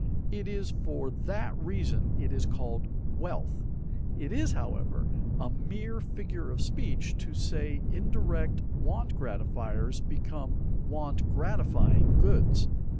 It is for that reason it is called wealth. It is, however, a mere figure of speech to say indirect want gratifiers become want gratifying goods.